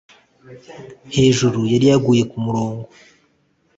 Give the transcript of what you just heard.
hejuru yari yaguye kumurongo